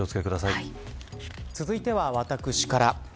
続いては、私から。